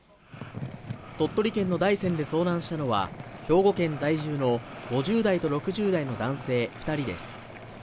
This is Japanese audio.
鳥取県の大山で遭難したのは、兵庫県在住の５０代と６０代の男性２人です。